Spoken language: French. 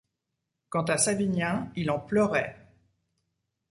Quant à Savinien, il en pleurait.